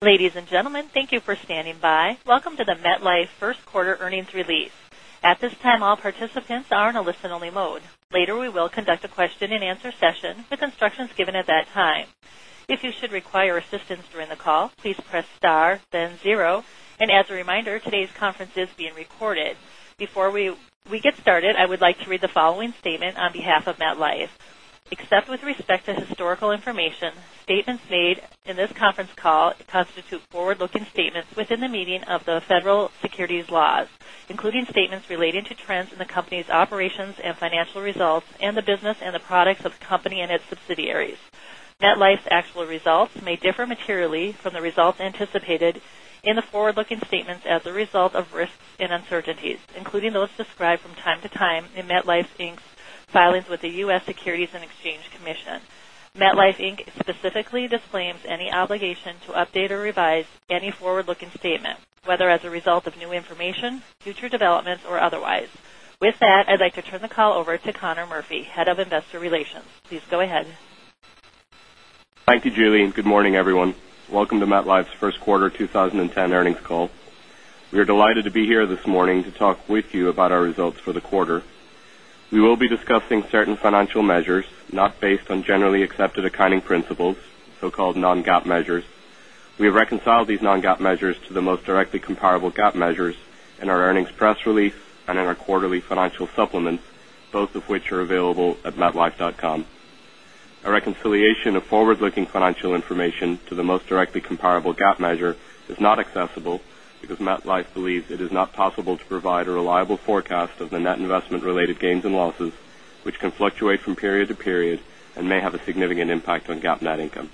Ladies and gentlemen, thank you for standing by. Welcome to the MetLife first quarter earnings release. At this time, all participants are in a listen-only mode. Later, we will conduct a question-and-answer session with instructions given at that time. If you should require assistance during the call, please press star then zero. As a reminder, today's conference is being recorded. Before we get started, I would like to read the following statement on behalf of MetLife. Except with respect to historical information, statements made in this conference call constitute forward-looking statements within the meaning of the federal securities laws, including statements relating to trends in the company's operations and financial results and the business and the products of the company and its subsidiaries. MetLife's actual results may differ materially from the results anticipated in the forward-looking statements as a result of risks and uncertainties, including those described from time to time in MetLife, Inc.'s filings with the U.S. Securities and Exchange Commission. MetLife, Inc. specifically disclaims any obligation to update or revise any forward-looking statement, whether as a result of new information, future developments, or otherwise. With that, I'd like to turn the call over to Conor Murphy, Head of Investor Relations. Please go ahead. Thank you, Julie. Good morning, everyone. Welcome to MetLife's first quarter 2010 earnings call. We are delighted to be here this morning to talk with you about our results for the quarter. We will be discussing certain financial measures not based on generally accepted accounting principles, so-called non-GAAP measures. We have reconciled these non-GAAP measures to the most directly comparable GAAP measures in our earnings press release and in our quarterly financial supplements, both of which are available at metlife.com. A reconciliation of forward-looking financial information to the most directly comparable GAAP measure is not accessible because MetLife believes it is not possible to provide a reliable forecast of the net investment-related gains and losses, which can fluctuate from period to period and may have a significant impact on GAAP net income.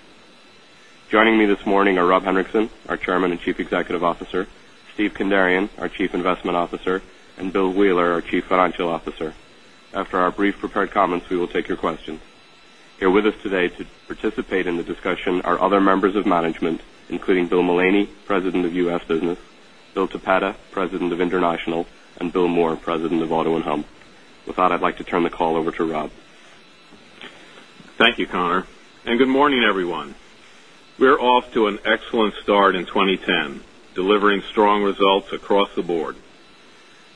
Joining me this morning are Rob Henrikson, our Chairman and Chief Executive Officer, Steve Kandarian, our Chief Investment Officer, and Bill Wheeler, our Chief Financial Officer. After our brief prepared comments, we will take your questions. Here with us today to participate in the discussion are other members of management, including Bill Mullaney, President of U.S. Business, Bill Toppeta, President of International, and Bill Moore, President of Auto & Home. With that, I'd like to turn the call over to Rob. Thank you, Conor, and good morning, everyone. We're off to an excellent start in 2010, delivering strong results across the board.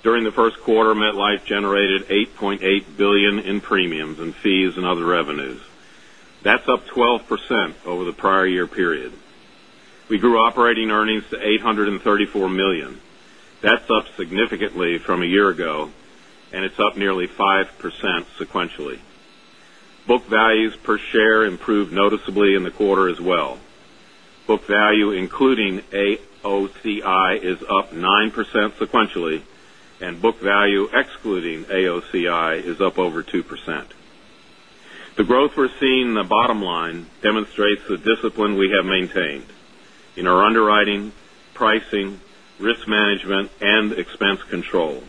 During the first quarter, MetLife generated $8.8 billion in premiums and fees and other revenues. That's up 12% over the prior year period. We grew operating earnings to $834 million. That's up significantly from a year ago, and it's up nearly 5% sequentially. Book values per share improved noticeably in the quarter as well. Book value, including AOCI, is up 9% sequentially, and book value excluding AOCI is up over 2%. The growth we're seeing in the bottom line demonstrates the discipline we have maintained in our underwriting, pricing, risk management, and expense control.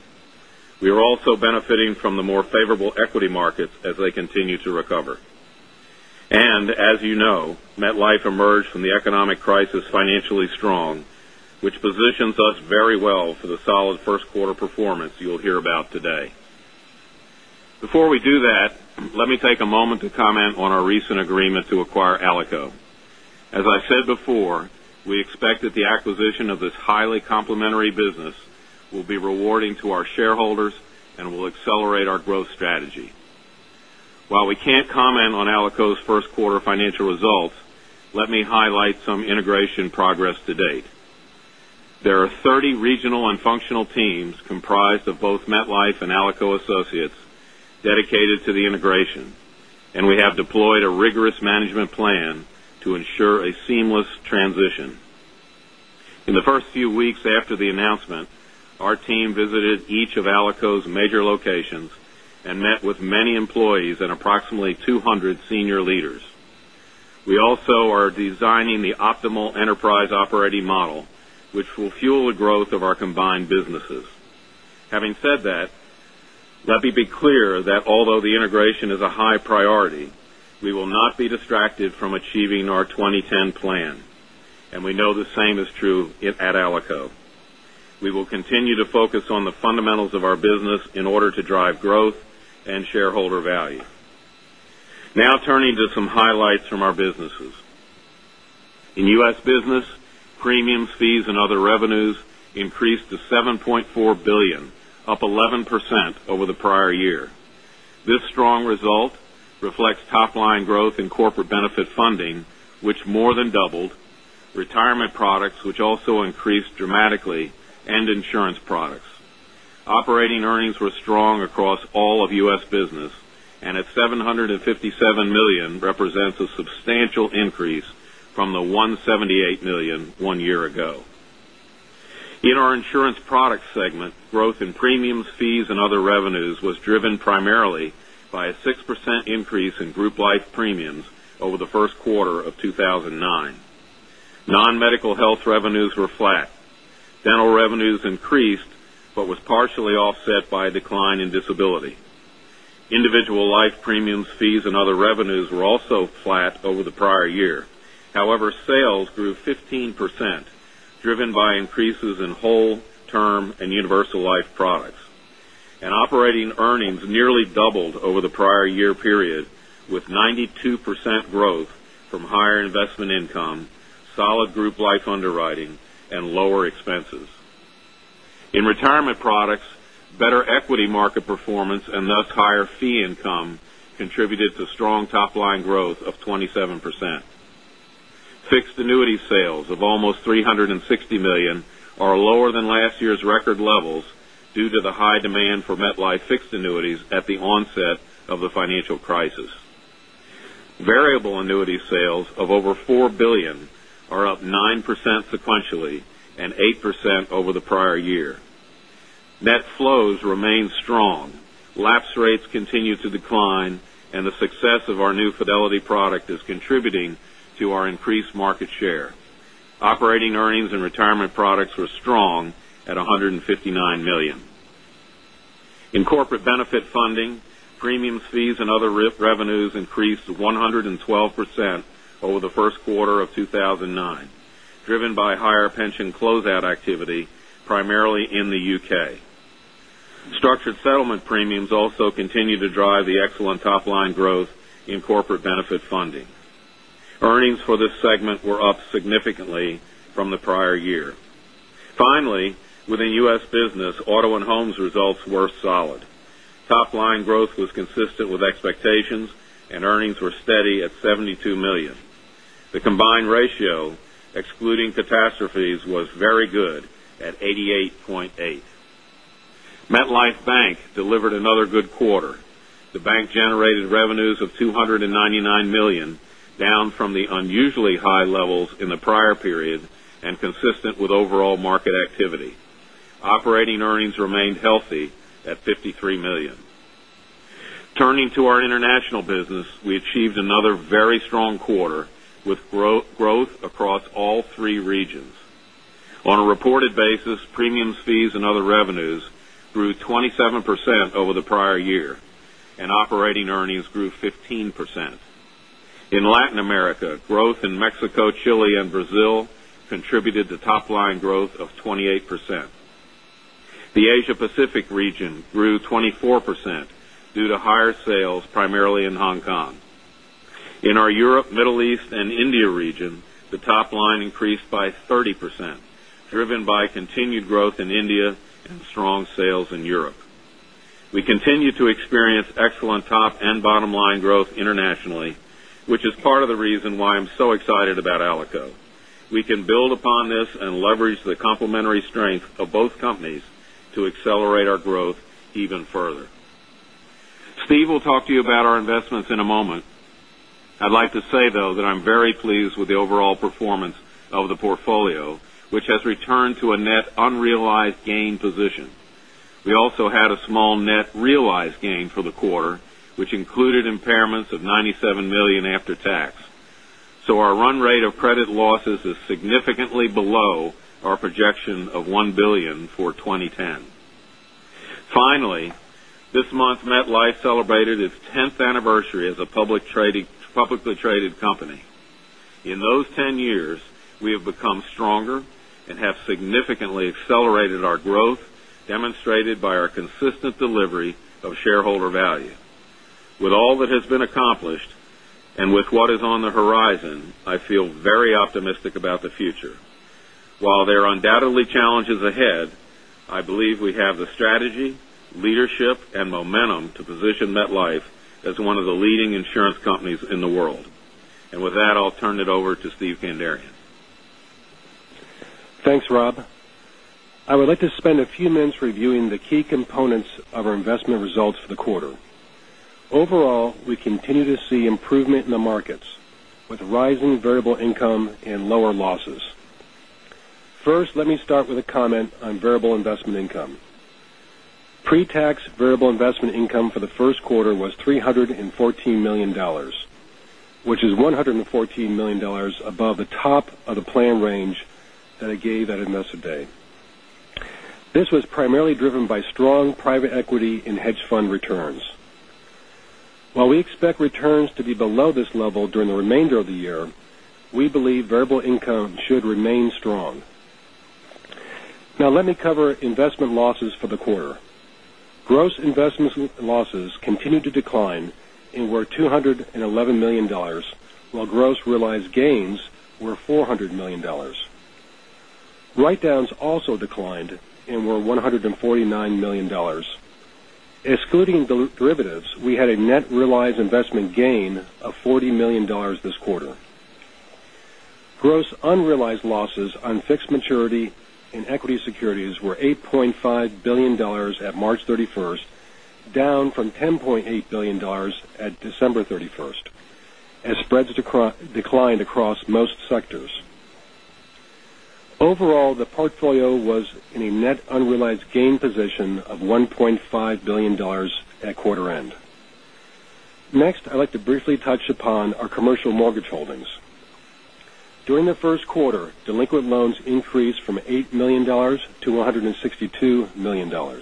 We are also benefiting from the more favorable equity markets as they continue to recover. As you know, MetLife emerged from the economic crisis financially strong, which positions us very well for the solid first-quarter performance you'll hear about today. Before we do that, let me take a moment to comment on our recent agreement to acquire Alico. As I said before, we expect that the acquisition of this highly complementary business will be rewarding to our shareholders and will accelerate our growth strategy. While we can't comment on Alico's first-quarter financial results, let me highlight some integration progress to date. There are 30 regional and functional teams comprised of both MetLife and Alico associates dedicated to the integration, and we have deployed a rigorous management plan to ensure a seamless transition. In the first few weeks after the announcement, our team visited each of Alico's major locations and met with many employees and approximately 200 senior leaders. We also are designing the optimal enterprise operating model, which will fuel the growth of our combined businesses. Having said that, let me be clear that although the integration is a high priority, we will not be distracted from achieving our 2010 plan, and we know the same is true at Alico. We will continue to focus on the fundamentals of our business in order to drive growth and shareholder value. Now turning to some highlights from our businesses. In U.S. Business, premiums, fees, and other revenues increased to $7.4 billion, up 11% over the prior year. This strong result reflects top-line growth in corporate benefit funding, which more than doubled, retirement products, which also increased dramatically, and insurance products. Operating earnings were strong across all of U.S. Business and at $757 million represents a substantial increase from the $178 million one year ago. In our insurance product segment, growth in premiums, fees, and other revenues was driven primarily by a 6% increase in group life premiums over the first quarter of 2009. Non-medical health revenues were flat. Dental revenues increased but was partially offset by a decline in disability. Individual life premiums, fees, and other revenues were also flat over the prior year. However, sales grew 15%, driven by increases in whole-term and universal life products. Operating earnings nearly doubled over the prior year period, with 92% growth from higher investment income, solid group life underwriting, and lower expenses. In retirement products, better equity market performance and thus higher fee income contributed to strong top-line growth of 27%. Fixed annuity sales of almost $360 million are lower than last year's record levels due to the high demand for MetLife fixed annuities at the onset of the financial crisis. Variable annuity sales of over $4 billion are up 9% sequentially and 8% over the prior year. Net flows remain strong. Lapse rates continue to decline, and the success of our new Fidelity product is contributing to our increased market share. Operating earnings and retirement products were strong at $159 million. In corporate benefit funding, premiums, fees, and other revenues increased 112% over the first quarter of 2009, driven by higher pension closeout activity, primarily in the U.K. Structured settlement premiums also continue to drive the excellent top-line growth in corporate benefit funding. Earnings for this segment were up significantly from the prior year. Finally, within U.S. business, MetLife Auto & Home results were solid. Top-line growth was consistent with expectations, and earnings were steady at $72 million. The combined ratio, excluding catastrophes, was very good at 88.8%. MetLife Bank delivered another good quarter. The bank generated revenues of $299 million, down from the unusually high levels in the prior period and consistent with overall market activity. Operating earnings remained healthy at $53 million. Turning to our international business, we achieved another very strong quarter with growth across all three regions. On a reported basis, premiums, fees, and other revenues grew 27% over the prior year, and operating earnings grew 15%. In Latin America, growth in Mexico, Chile, and Brazil contributed to top-line growth of 28%. The Asia Pacific region grew 24% due to higher sales, primarily in Hong Kong. In our Europe, Middle East, and India region, the top line increased by 30%, driven by continued growth in India and strong sales in Europe. We continue to experience excellent top and bottom-line growth internationally, which is part of the reason why I'm so excited about Alico. Leverage the complementary strength of both companies to accelerate our growth even further. Steve will talk to you about our investments in a moment. I'd like to say, though, that I'm very pleased with the overall performance of the portfolio, which has returned to a net unrealized gain position. We also had a small net realized gain for the quarter, which included impairments of $97 million after tax. Our run rate of credit losses is significantly below our projection of $1 billion for 2010. Finally, this month, MetLife celebrated its 10th anniversary as a publicly traded company. In those 10 years, we have become stronger and have significantly accelerated our growth, demonstrated by our consistent delivery of shareholder value. With all that has been accomplished and with what is on the horizon, I feel very optimistic about the future. While there are undoubtedly challenges ahead, I believe we have the strategy, leadership, and momentum to position MetLife as one of the leading insurance companies in the world. With that, I'll turn it over to Steve Kandarian. Thanks, Rob. I would like to spend a few minutes reviewing the key components of our investment results for the quarter. Overall, we continue to see improvement in the markets with rising variable investment income and lower losses. First, let me start with a comment on variable investment income. Pre-tax variable investment income for the first quarter was $314 million, which is $114 million above the top of the plan range that I gave at Investor Day. This was primarily driven by strong private equity and hedge fund returns. While we expect returns to be below this level during the remainder of the year, we believe variable investment income should remain strong. Let me cover investment losses for the quarter. Gross investment losses continued to decline and were $211 million, while gross realized gains were $400 million. Write-downs also declined and were $149 million. Excluding derivatives, we had a net realized investment gain of $40 million this quarter. Gross unrealized losses on fixed maturity and equity securities were $8.5 billion at March 31st, down from $10.8 billion at December 31st, as spreads declined across most sectors. Overall, the portfolio was in a net unrealized gain position of $1.5 billion at quarter end. Next, I would like to briefly touch upon our commercial mortgage holdings. During the first quarter, delinquent loans increased from $8 million to $162 million.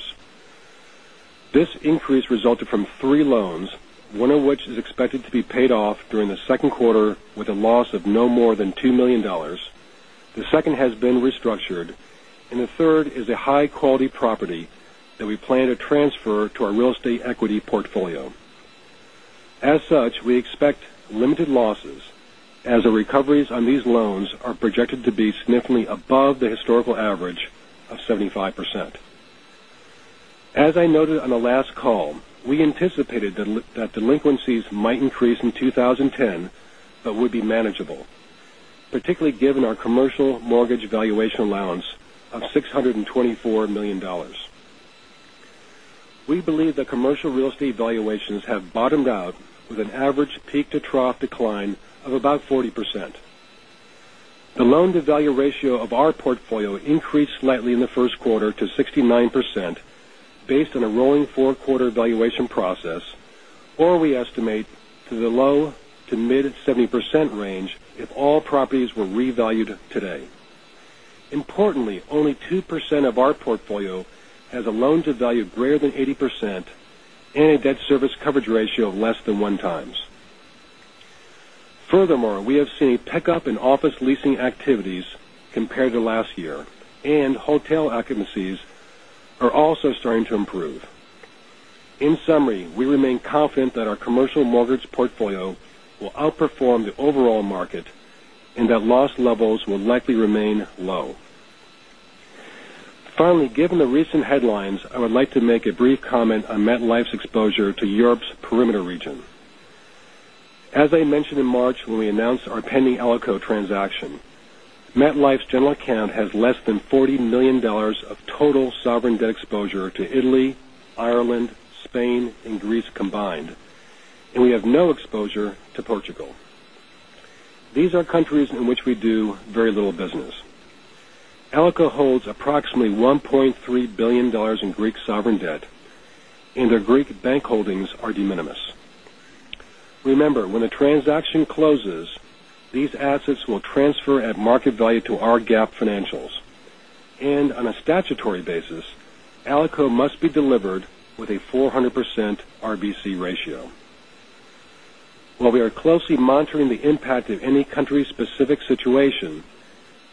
This increase resulted from three loans, one of which is expected to be paid off during the second quarter with a loss of no more than $2 million. The second has been restructured, and the third is a high-quality property that we plan to transfer to our real estate equity portfolio. As such, we expect limited losses as the recoveries on these loans are projected to be significantly above the historical average of 75%. As I noted on the last call, we anticipated that delinquencies might increase in 2010 but would be manageable, particularly given our commercial mortgage valuation allowance of $624 million. We believe that commercial real estate valuations have bottomed out with an average peak-to-trough decline of about 40%. The loan-to-value ratio of our portfolio increased slightly in the first quarter to 69% based on a rolling four-quarter valuation process, or we estimate to the low to mid 70% range if all properties were revalued today. Importantly, only 2% of our portfolio has a loan-to-value greater than 80% and a debt service coverage ratio of less than one times. We have seen a pickup in office leasing activities compared to last year, and hotel occupancies are also starting to improve. In summary, we remain confident that our commercial mortgage portfolio will outperform the overall market and that loss levels will likely remain low. Given the recent headlines, I would like to make a brief comment on MetLife's exposure to Europe's peripheral region. As I mentioned in March when we announced our pending Alico transaction, MetLife's general account has less than $40 million of total sovereign debt exposure to Italy, Ireland, Spain, and Greece combined, and we have no exposure to Portugal. These are countries in which we do very little business. Alico holds approximately $1.3 billion in Greek sovereign debt, and their Greek bank holdings are de minimis. Remember, when the transaction closes, these assets will transfer at market value to our GAAP financials. On a statutory basis, Alico must be delivered with a 400% RBC ratio. While we are closely monitoring the impact of any country's specific situation,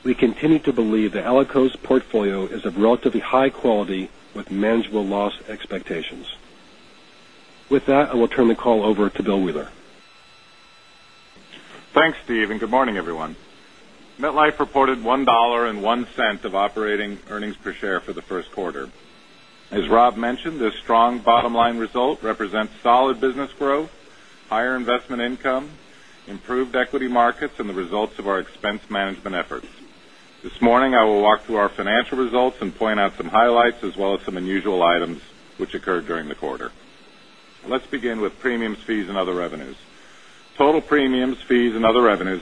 we continue to believe that Alico's portfolio is of relatively high quality with manageable loss expectations. With that, I will turn the call over to William Wheeler. Thanks, Steve, good morning, everyone. MetLife reported $1.01 of operating earnings per share for the first quarter. As Rob mentioned, this strong bottom-line result represents solid business growth, higher investment income, improved equity markets, and the results of our expense management efforts. This morning, I will walk through our financial results and point out some highlights as well as some unusual items which occurred during the quarter. Let's begin with premiums, fees, and other revenues. Total premiums, fees, and other revenues,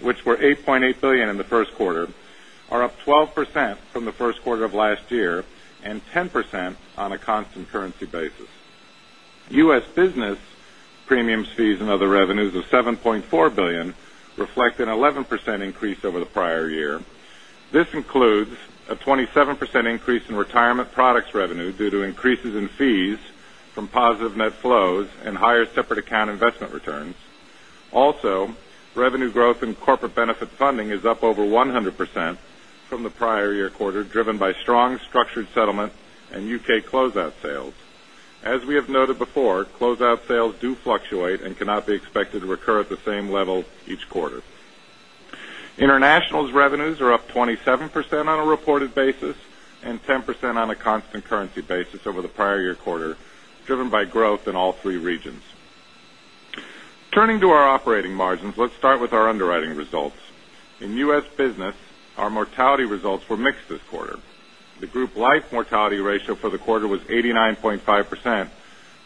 which were $8.8 billion in the first quarter, are up 12% from the first quarter of last year and 10% on a constant currency basis. U.S. business premiums, fees, and other revenues of $7.4 billion reflect an 11% increase over the prior year. This includes a 27% increase in retirement products revenue due to increases in fees from positive net flows and higher separate account investment returns. Revenue growth in corporate benefit funding is up over 100% from the prior year quarter, driven by strong structured settlement and U.K. closeout sales. As we have noted before, closeout sales do fluctuate and cannot be expected to recur at the same level each quarter. International's revenues are up 27% on a reported basis and 10% on a constant currency basis over the prior year quarter, driven by growth in all three regions. Turning to our operating margins, let's start with our underwriting results. In U.S. business, our mortality results were mixed this quarter. The group life mortality ratio for the quarter was 89.5%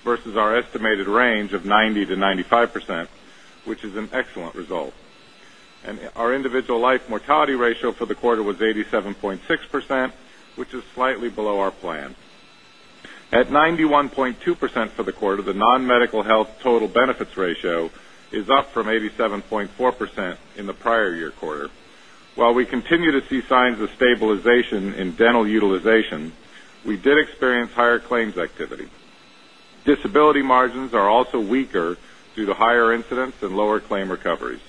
versus our estimated range of 90%-95%, which is an excellent result. Our individual life mortality ratio for the quarter was 87.6%, which is slightly below our plan. At 91.2% for the quarter, the non-medical health total benefits ratio is up from 87.4% in the prior year quarter. While we continue to see signs of stabilization in dental utilization, we did experience higher claims activity. Disability margins are also weaker due to higher incidents and lower claim recoveries.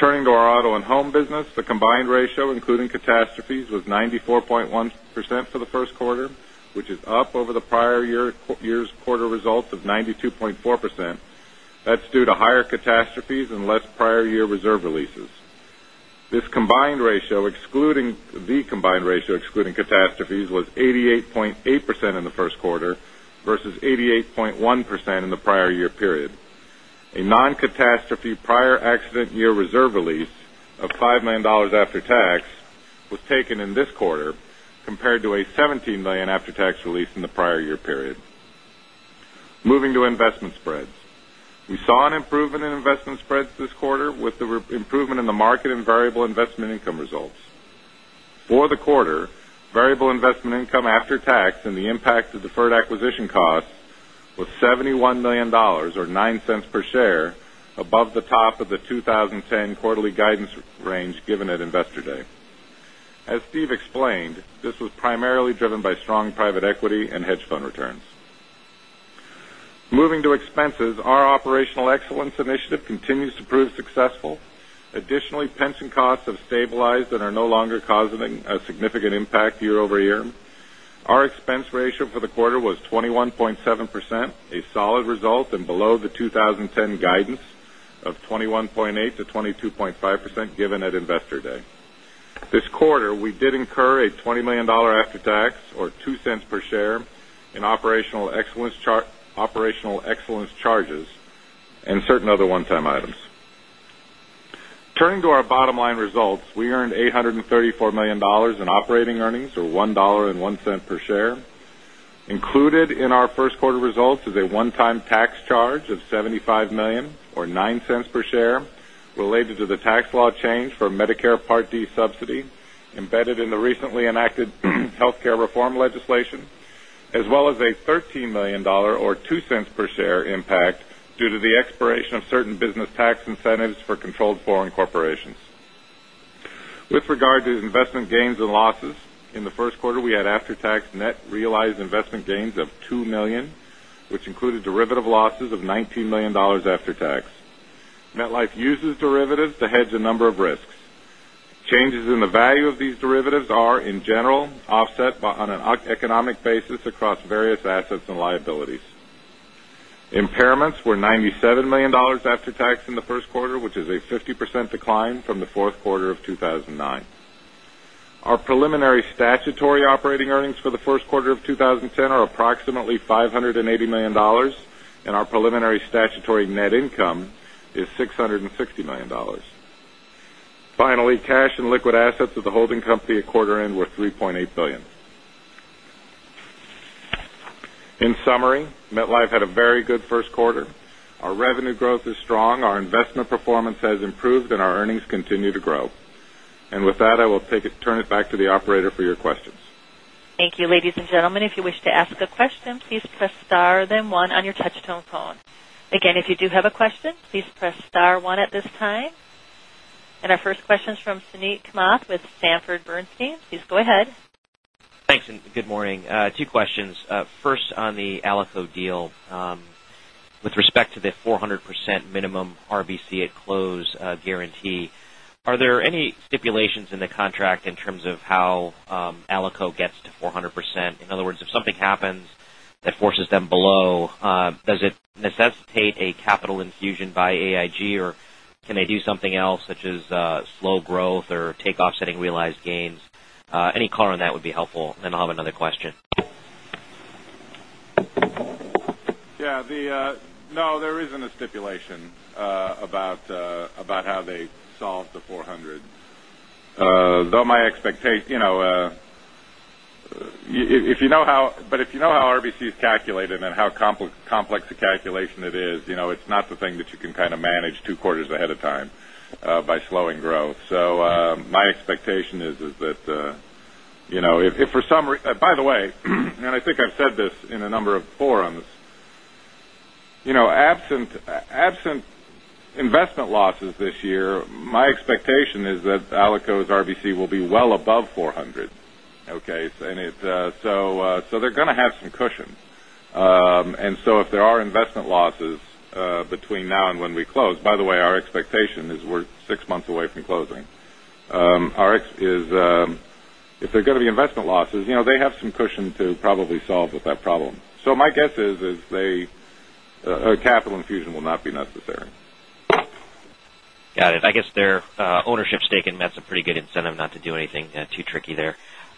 Turning to our auto and home business, the combined ratio, including catastrophes, was 94.1% for the first quarter, which is up over the prior year's quarter results of 92.4%. That's due to higher catastrophes and less prior year reserve releases. The combined ratio excluding catastrophes was 88.8% in the first quarter versus 88.1% in the prior year period. A non-catastrophe prior accident year reserve release of $5 million after tax was taken in this quarter, compared to a $17 million after-tax release in the prior year period. Moving to investment spreads. We saw an improvement in investment spreads this quarter with the improvement in the market and variable investment income results. For the quarter, variable investment income after tax and the impact of deferred acquisition costs was $71 million, or $0.09 per share above the top of the 2010 quarterly guidance range given at Investor Day. As Steve explained, this was primarily driven by strong private equity and hedge fund returns. Moving to expenses, our operational excellence initiative continues to prove successful. Additionally, pension costs have stabilized and are no longer causing a significant impact year-over-year. Our expense ratio for the quarter was 21.7%, a solid result and below the 2010 guidance of 21.8%-22.5% given at Investor Day. This quarter, we did incur a $20 million after-tax, or $0.02 per share, in operational excellence charges and certain other one-time items. Turning to our bottom line results, we earned $834 million in operating earnings, or $1.01 per share. Included in our first quarter results is a one-time tax charge of $75 million, or $0.09 per share, related to the tax law change for Medicare Part D subsidy embedded in the recently enacted healthcare reform legislation, as well as a $13 million or $0.02 per share impact due to the expiration of certain business tax incentives for controlled foreign corporations. With regard to investment gains and losses, in the first quarter, we had after-tax net realized investment gains of $2 million, which included derivative losses of $19 million after tax. MetLife uses derivatives to hedge a number of risks. Changes in the value of these derivatives are, in general, offset on an economic basis across various assets and liabilities. Impairments were $97 million after tax in the first quarter, which is a 50% decline from the fourth quarter of 2009. Our preliminary statutory operating earnings for the first quarter of 2010 are approximately $580 million, and our preliminary statutory net income is $660 million. Finally, cash and liquid assets of the holding company at quarter end were $3.8 billion. In summary, MetLife had a very good first quarter. Our revenue growth is strong, our investment performance has improved, and our earnings continue to grow. With that, I will turn it back to the operator for your questions. Thank you. Ladies and gentlemen, if you wish to ask a question, please press star then one on your touch-tone phone. Again, if you do have a question, please press star one at this time. Our first question's from Suneet Kamath with Sanford Bernstein. Please go ahead. Thanks, good morning. Two questions. First, on the Alico deal with respect to the 400% minimum RBC at close guarantee, are there any stipulations in the contract in terms of how Alico gets to 400%? In other words, if something happens that forces them below, does it necessitate a capital infusion by AIG, or can they do something else, such as slow growth or take offsetting realized gains? Any color on that would be helpful. I'll have another question. No, there isn't a stipulation about how they solve the 400. If you know how RBC is calculated and how complex a calculation it is, it's not the thing that you can manage two quarters ahead of time by slowing growth. By the way, I think I've said this in a number of forums, absent investment losses this year, my expectation is that Alico's RBC will be well above 400. They're going to have some cushion. If there are investment losses between now and when we close. By the way, our expectation is we're six months away from closing. If there are going to be investment losses, they have some cushion to probably solve that problem. My guess is a capital infusion will not be necessary. Got it. I guess their ownership stake in Met's a pretty good incentive not to do anything too tricky there.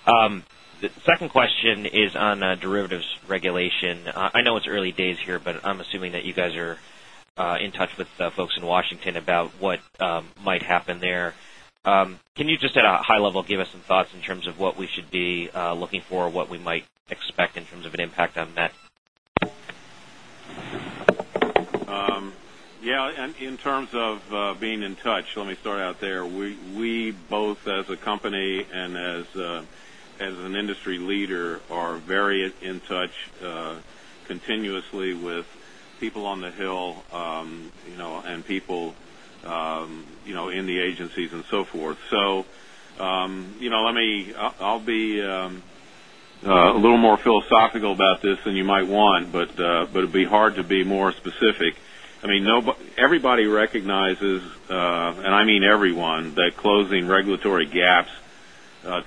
The second question is on derivatives regulation. I know it's early days here. I'm assuming that you guys are in touch with folks in Washington about what might happen there. Can you just at a high level give us some thoughts in terms of what we should be looking for, what we might expect in terms of an impact on Met? Yeah. In terms of being in touch, let me start out there. We both as a company and as an industry leader are very in touch continuously with people on the Hill, people in the agencies and so forth. I'll be a little more philosophical about this than you might want. It'd be hard to be more specific. Everybody recognizes, I mean everyone, that closing regulatory gaps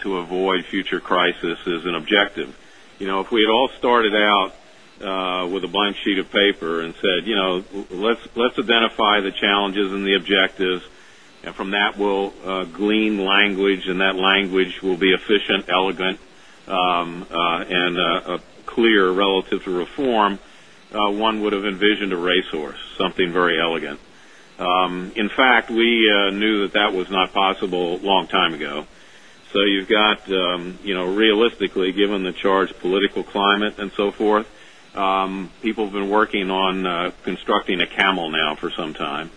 to avoid future crisis is an objective. If we had all started out with a blank sheet of paper and said, "Let's identify the challenges and the objectives, from that we'll glean language, and that language will be efficient, elegant, and clear relative to reform," one would've envisioned a racehorse, something very elegant. In fact, we knew that that was not possible a long time ago. You've got, realistically, given the charged political climate and so forth, people have been working on constructing a camel now for some time.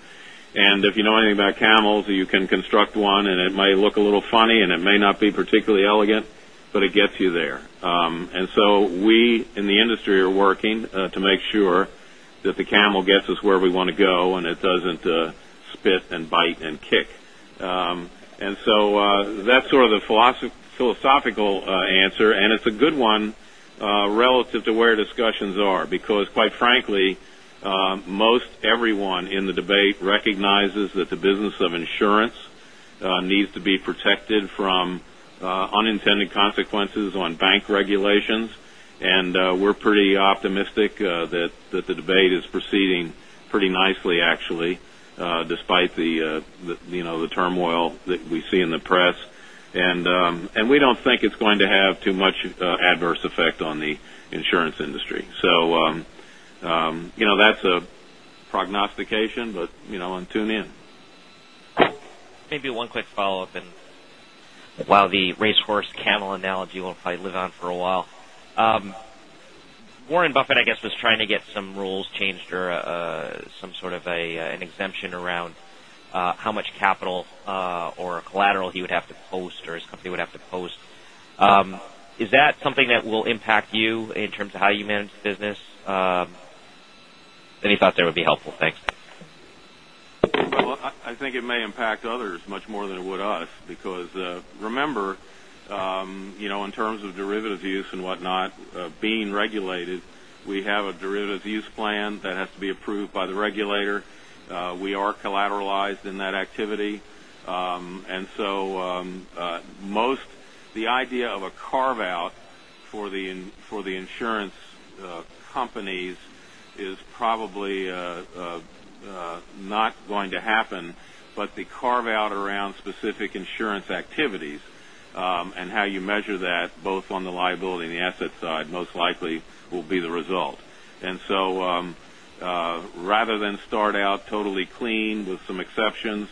If you know anything about camels, you can construct one, and it might look a little funny, and it may not be particularly elegant, but it gets you there. We in the industry are working to make sure that the camel gets us where we want to go, and it doesn't spit and bite and kick. That's sort of the philosophical answer, and it's a good one relative to where discussions are. Quite frankly, most everyone in the debate recognizes that the business of insurance needs to be protected from unintended consequences on bank regulations. We're pretty optimistic that the debate is proceeding pretty nicely, actually, despite the turmoil that we see in the press. We don't think it's going to have too much adverse effect on the insurance industry. That's a prognostication, but tune in. Maybe one quick follow-up, and while the racehorse camel analogy will probably live on for a while. Warren Buffett, I guess, was trying to get some rules changed or some sort of an exemption around how much capital or collateral he would have to post, or his company would have to post. Is that something that will impact you in terms of how you manage the business? Any thoughts there would be helpful. Thanks. Well, I think it may impact others much more than it would us, because, remember, in terms of derivative use and whatnot, being regulated, we have a derivative use plan that has to be approved by the regulator. We are collateralized in that activity. The idea of a carve-out for the insurance companies is probably not going to happen. The carve-out around specific insurance activities, and how you measure that both on the liability and the asset side, most likely will be the result. Rather than start out totally clean with some exceptions,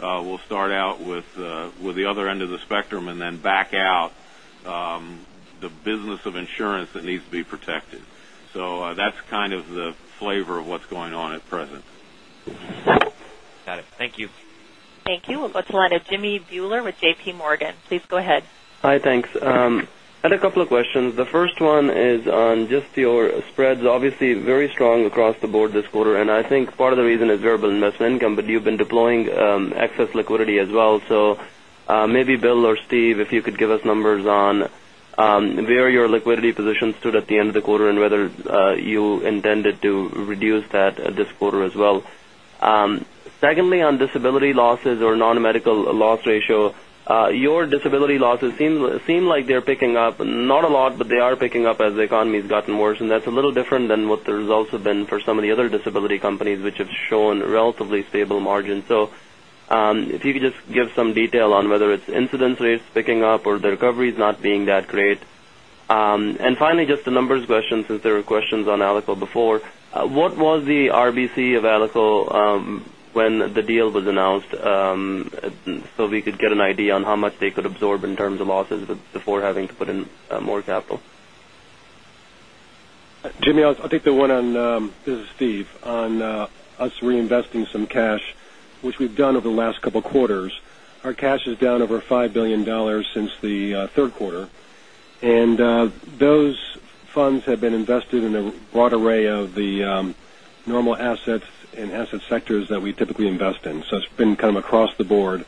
we'll start out with the other end of the spectrum and then back out the business of insurance that needs to be protected. That's kind of the flavor of what's going on at present. Got it. Thank you. Thank you. Let's go on to Jimmy Bhullar with J.P. Morgan. Please go ahead. Hi. Thanks. I had a couple of questions. The first one is on just your spreads. Obviously very strong across the board this quarter, and I think part of the reason is variable investment income, but you've been deploying excess liquidity as well. Maybe Bill or Steve, if you could give us numbers on where your liquidity position stood at the end of the quarter and whether you intended to reduce that this quarter as well. Secondly, on disability losses or non-medical loss ratio, your disability losses seem like they're picking up. Not a lot, but they are picking up as the economy's gotten worse, and that's a little different than what the results have been for some of the other disability companies, which have shown relatively stable margins. If you could just give some detail on whether its incidence rate is picking up or the recovery is not being that great. Finally, just a numbers question, since there were questions on Alico before. What was the RBC of Alico when the deal was announced? We could get an idea on how much they could absorb in terms of losses before having to put in more capital. Jimmy, I'll take the one on, this is Steve, on us reinvesting some cash, which we've done over the last couple of quarters. Our cash is down over $5 billion since the third quarter, and those funds have been invested in a broad array of the normal assets and asset sectors that we typically invest in. It's been kind of across the board,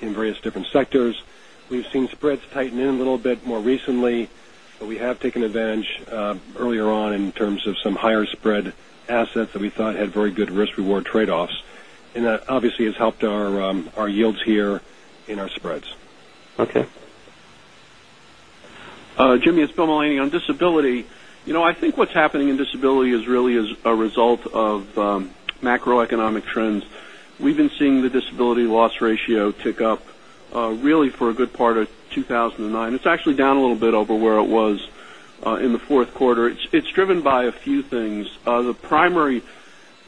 in various different sectors. We've seen spreads tighten in a little bit more recently, but we have taken advantage earlier on in terms of some higher spread assets that we thought had very good risk-reward trade-offs. That obviously has helped our yields here in our spreads. Okay. Jimmy, it's William Mullaney. On disability, I think what's happening in disability is really as a result of macroeconomic trends. We've been seeing the disability loss ratio tick up really for a good part of 2009. It's actually down a little bit over where it was in the fourth quarter. It's driven by a few things. The primary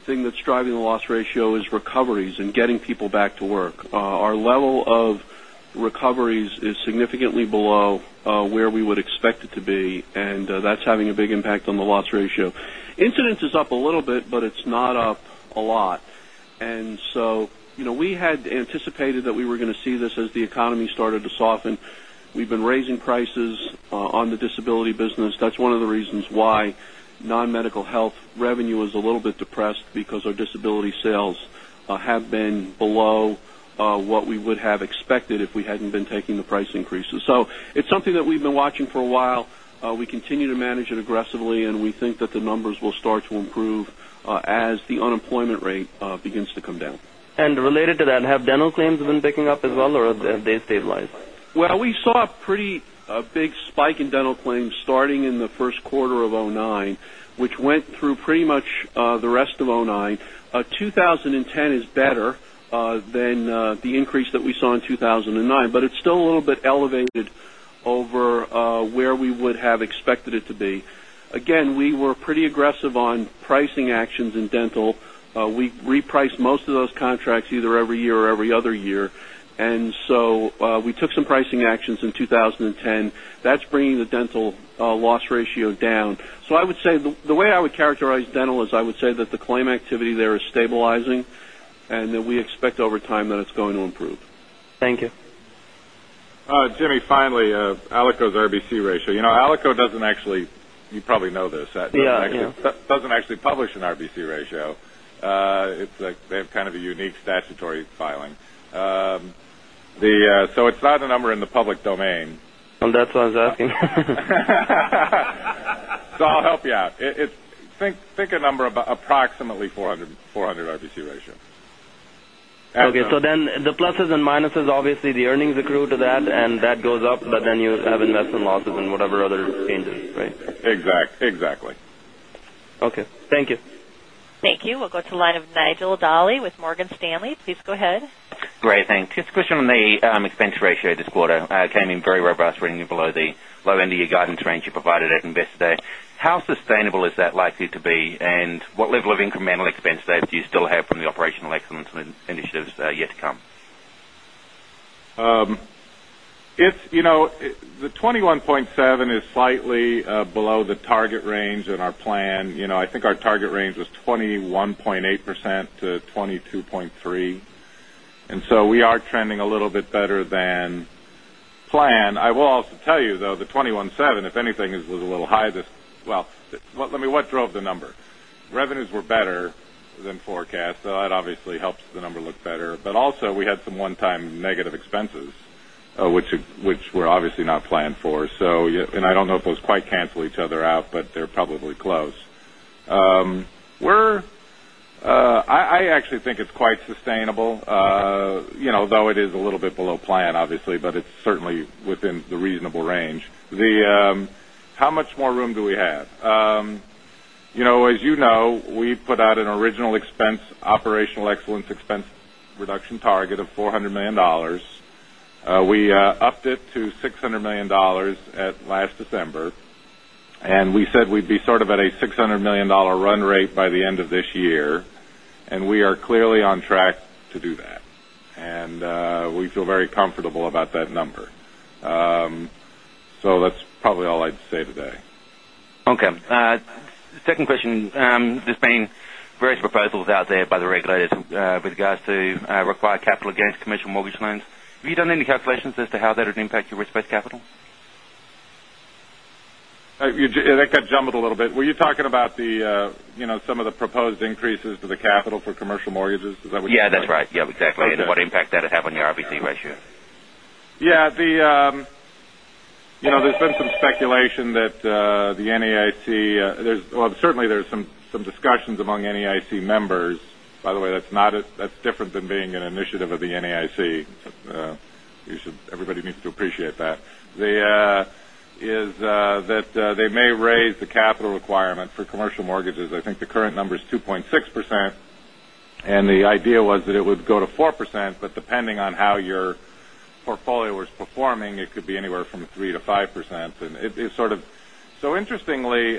thing that's driving the loss ratio is recoveries and getting people back to work. Our level of recoveries is significantly below where we would expect it to be, and that's having a big impact on the loss ratio. Incidence is up a little bit, but it's not up a lot. We had anticipated that we were going to see this as the economy started to soften. We've been raising prices on the disability business. That's one of the reasons why non-medical health revenue is a little bit depressed, because our disability sales have been below what we would have expected if we hadn't been taking the price increases. It's something that we've been watching for a while. We continue to manage it aggressively, and we think that the numbers will start to improve as the unemployment rate begins to come down. Related to that, have dental claims been picking up as well, or have they stabilized? We saw a pretty big spike in dental claims starting in the first quarter of 2009, which went through pretty much the rest of 2009. 2010 is better than the increase that we saw in 2009, but it's still a little bit elevated over where we would have expected it to be. Again, we were pretty aggressive on pricing actions in dental. We reprice most of those contracts either every year or every other year. We took some pricing actions in 2010. That's bringing the dental loss ratio down. I would say, the way I would characterize dental is I would say that the claim activity there is stabilizing, and that we expect over time that it's going to improve. Thank you. Jimmy, finally, Alico's RBC ratio. Alico doesn't actually, you probably know this- Yeah, I do doesn't actually publish an RBC ratio. They have kind of a unique statutory filing. It's not a number in the public domain. That's why I was asking. I'll help you out. Think a number about approximately 400 RBC ratio. Okay. The pluses and minuses, obviously, the earnings accrue to that, and that goes up, but then you have investment losses and whatever other changes, right? Exactly. Okay. Thank you. Thank you. We'll go to the line of Nigel Dally with Morgan Stanley. Please go ahead. Great. Thanks. Just a question on the expense ratio this quarter. It came in very robust for you below the low end of your guidance range you provided at Investor Day. How sustainable is that likely to be, and what level of incremental expense saves do you still have from the operational excellence initiatives yet to come? The 21.7% is slightly below the target range in our plan. I think our target range was 21.8%-22.3%. So we are trending a little bit better than plan. I will also tell you, though, the 21.7%, if anything, was a little high. What drove the number? Revenues were better than forecast, so that obviously helps the number look better. Also, we had some one-time negative expenses, which were obviously not planned for. I don't know if those quite cancel each other out, but they're probably close. I actually think it's quite sustainable. Though it is a little bit below plan, obviously, but it's certainly within the reasonable range. How much more room do we have? As you know, we put out an original expense operational excellence expense reduction target of $400 million. We upped it to $600 million at last December, and we said we'd be sort of at a $600 million run rate by the end of this year, and we are clearly on track to do that. We feel very comfortable about that number. That's probably all I'd say today. Okay. Second question. There's been various proposals out there by the regulators with regards to required capital against commercial mortgage loans. Have you done any calculations as to how that would impact your risk-based capital? That got jumbled a little bit. Were you talking about some of the proposed increases to the capital for commercial mortgages? Is that what you're saying? Yeah, that's right. Yeah, exactly. Okay. What impact that'll have on your RBC ratio? Yeah. There's been some speculation that the NAIC, certainly there's some discussions among NAIC members. By the way, that's different than being an initiative of the NAIC. Everybody needs to appreciate that. They may raise the capital requirement for commercial mortgages. I think the current number is 2.6%, and the idea was that it would go to 4%, but depending on how your portfolio was performing, it could be anywhere from 3%-5%. Interestingly,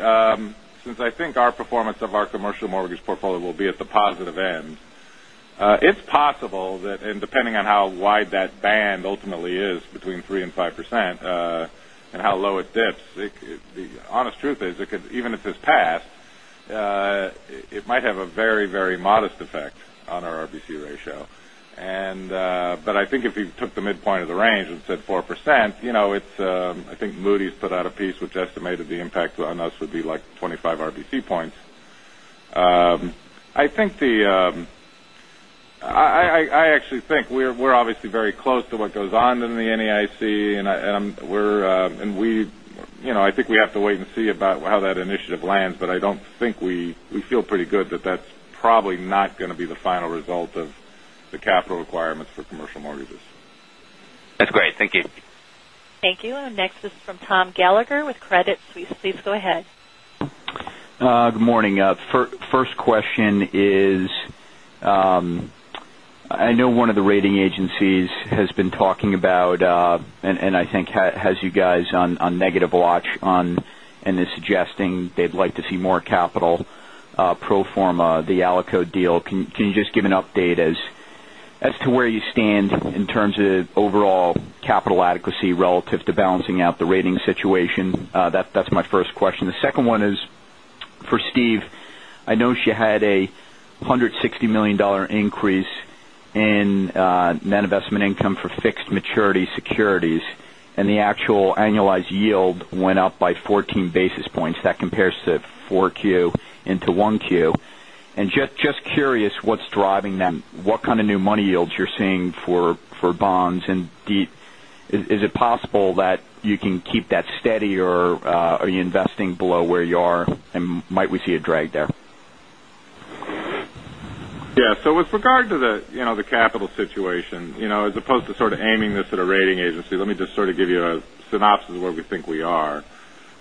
since I think our performance of our commercial mortgage portfolio will be at the positive end, it's possible that, and depending on how wide that band ultimately is between 3% and 5%, and how low it dips, the honest truth is, even if this passed, it might have a very modest effect on our RBC ratio. I think if you took the midpoint of the range and said 4%, I think Moody's put out a piece which estimated the impact on us would be like 25 RBC points. I actually think we're obviously very close to what goes on in the NAIC, and I think we have to wait and see about how that initiative lands. I don't think we feel pretty good that that's probably not going to be the final result of the capital requirements for commercial mortgages. That's great. Thank you. Thank you. Next is from Thomas Gallagher with Credit Suisse. Please go ahead. Good morning. First question is, I know one of the rating agencies has been talking about, and I think has you guys on negative watch on, and is suggesting they'd like to see more capital pro forma, the Alico deal. Can you just give an update as to where you stand in terms of overall capital adequacy relative to balancing out the rating situation? That's my first question. The second one is for Steve. I know you had a $160 million increase in net investment income for fixed maturity securities, and the actual annualized yield went up by 14 basis points. That compares to 4Q into 1Q. Just curious, what's driving them? What kind of new money yields you're seeing for bonds, and is it possible that you can keep that steady, or are you investing below where you are, and might we see a drag there? Yeah. With regard to the capital situation, as opposed to sort of aiming this at a rating agency, let me just sort of give you a synopsis of where we think we are.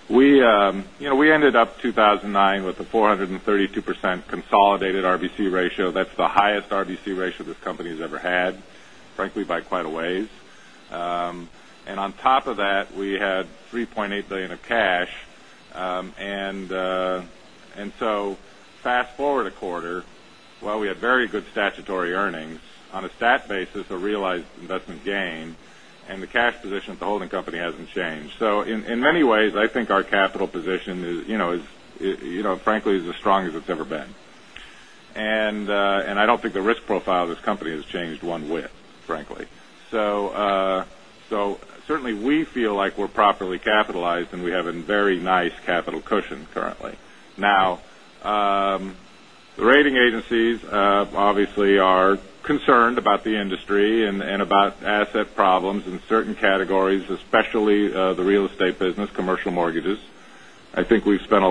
We ended up 2009 with a 432% consolidated RBC ratio. That's the highest RBC ratio this company's ever had, frankly, by quite a ways. On top of that, we had $3.8 billion of cash. Fast-forward a quarter, while we had very good statutory earnings on a stat basis, a realized investment gain, and the cash position at the holding company hasn't changed. In many ways, I think our capital position is, frankly, is as strong as it's ever been. I don't think the risk profile of this company has changed one whit, frankly. Certainly we feel like we're properly capitalized, and we have a very nice capital cushion currently. Now, the rating agencies obviously are concerned about the industry and about asset problems in certain categories, especially the real estate business, commercial mortgages. I think we've spent a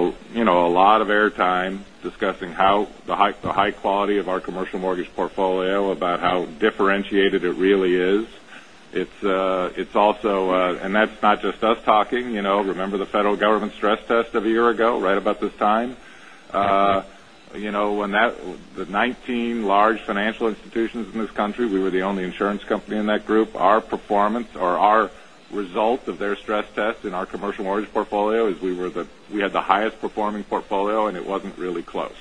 lot of air time discussing the high quality of our commercial mortgage portfolio, about how differentiated it really is. That's not just us talking. Remember the federal government stress test of a year ago, right about this time? Of the 19 large financial institutions in this country, we were the only insurance company in that group. Our performance or our result of their stress test in our commercial mortgage portfolio is we had the highest performing portfolio, and it wasn't really close.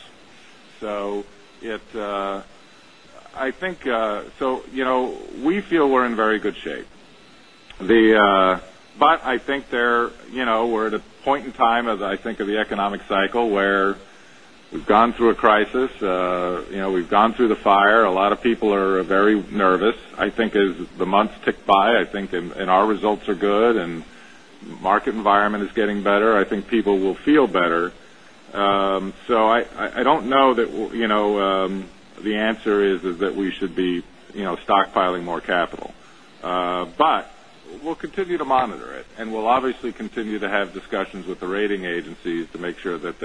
We feel we're in very good shape. I think we're at a point in time as I think of the economic cycle where we've gone through a crisis. We've gone through the fire. A lot of people are very nervous. I think as the months tick by, our results are good and market environment is getting better, I think people will feel better. I don't know that the answer is that we should be stockpiling more capital. We'll continue to monitor it, and we'll obviously continue to have discussions with the rating agencies to make sure that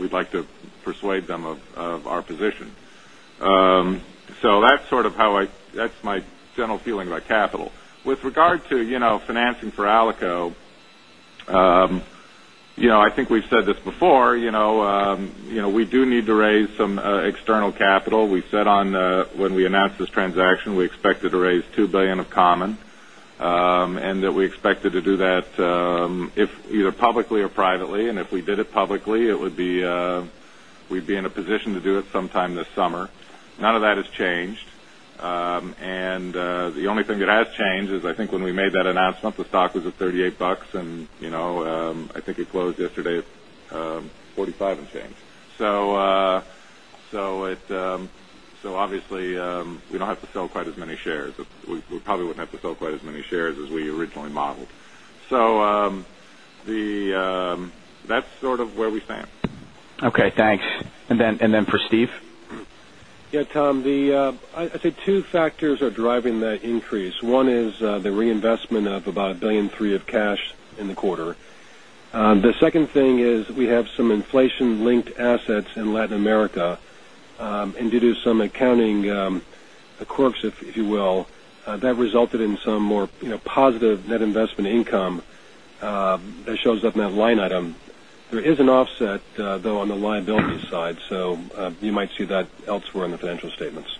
we'd like to persuade them of our position. That's my general feeling about capital. With regard to financing for Alico, I think we've said this before, we do need to raise some external capital. When we announced this transaction, we expected to raise $2 billion of common, and that we expected to do that either publicly or privately. If we did it publicly, we'd be in a position to do it sometime this summer. None of that has changed. The only thing that has changed is I think when we made that announcement, the stock was at $38, and I think it closed yesterday at $45 and change. Obviously, we don't have to sell quite as many shares. We probably wouldn't have to sell quite as many shares as we originally modeled. That's sort of where we stand. Okay, thanks. Then for Steve? Yeah, Tom, I'd say two factors are driving that increase. One is the reinvestment of about $1.3 billion of cash in the quarter. The second thing is we have some inflation-linked assets in Latin America, they do some accounting quirks, if you will, that resulted in some more positive net investment income that shows up in that line item. There is an offset, though, on the liability side, you might see that elsewhere in the financial statements.